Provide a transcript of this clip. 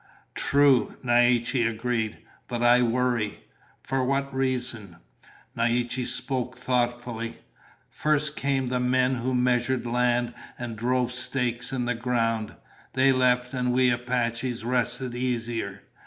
"True," Naiche agreed. "But I worry." "For what reason?" Naiche spoke thoughtfully. "First came the men who measured land and drove stakes in the ground. They left and we Apaches rested easier.